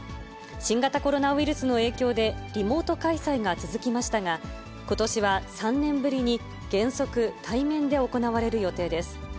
新型コロナウイルスの影響で、リモート開催が続きましたが、ことしは３年ぶりに原則対面で行われる予定です。